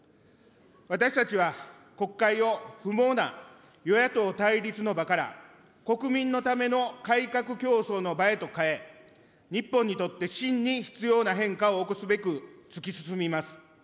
私たちは国会を不毛な与野党対立の場から、国民のための改革競争の場へと変え、日本にとって真に必要な変化を起こすべく、突き進みます。